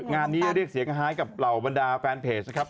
งานนี้เรียกเสียงหายกับเหล่าบรรดาแฟนเพจนะครับ